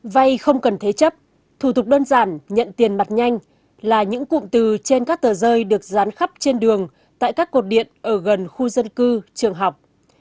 vay không cần thế chấp thủ tục đơn giản nhận tiền mặt nhanh là những cụm từ trên các tờ rơi được dán khắp trên đường tại các cột điện ở gần khu dân cư trường học